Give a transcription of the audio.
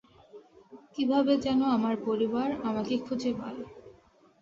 কিভাবে যেন আমার পরিবার আমাকে খুজে পায়।